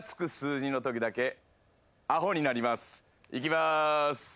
いきます。